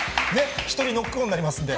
１人ノックオンになりますので。